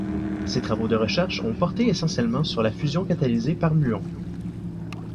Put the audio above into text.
Ses travaux de recherche ont porté essentiellement sur la fusion catalysée par muons.